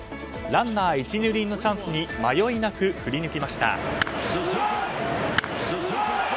ランナー１、２塁のチャンスに迷いなく振り抜きました。